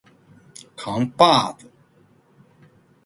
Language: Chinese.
扛把子